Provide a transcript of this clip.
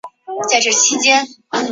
分为古传散手。